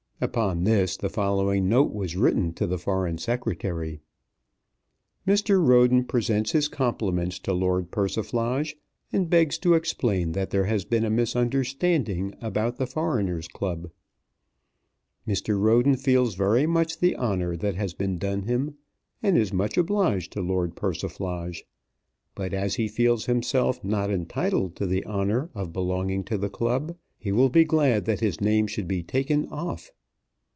Upon this the following note was written to the Foreign Secretary. Mr. Roden presents his compliments to Lord Persiflage, and begs to explain that there has been a misunderstanding about the Foreigners' Club. Mr. Roden feels very much the honour that has been done him, and is much obliged to Lord Persiflage; but as he feels himself not entitled to the honour of belonging to the club, he will be glad that his name should be taken off.